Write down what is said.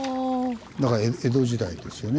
だから江戸時代ですよね。